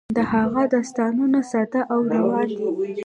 د هغه داستانونه ساده او روان دي.